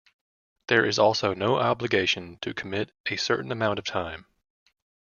There is also no obligation to commit a certain amount of time.